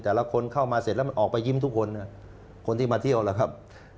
แต่ละคนเข้ามาเสร็จแล้วมันออกไปยิ้มทุกคนคนที่มาเที่ยวล่ะครับ